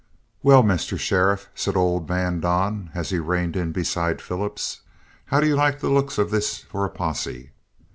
"Well, Mr. Sheriff," said old man Don, as he reined in beside Phillips, "how do you like the looks of this for a posse?